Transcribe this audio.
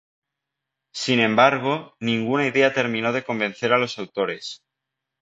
Sin embargo, ninguna idea terminó de convencer a los autores.